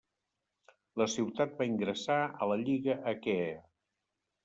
La ciutat va ingressar a la Lliga Aquea.